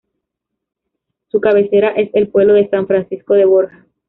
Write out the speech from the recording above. Su cabecera es el pueblo de San Francisco de Borja.